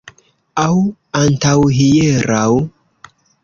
Aŭ antaŭhieraŭ.